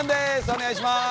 お願いします。